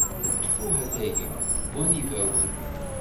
Ttfuh a taga, wwan ibawen!